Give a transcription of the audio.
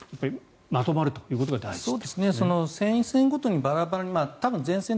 まとまるということが大事と。